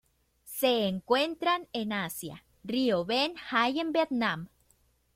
Se encuentran en Asia: río Ben Hai en Vietnam.